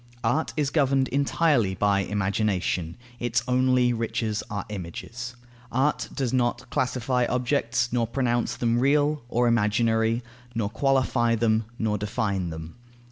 Art is governed entirely by imagination; its only riches are images. Art does not classify objects, nor pronounce them real or imaginary, nor qualify them, nor define them.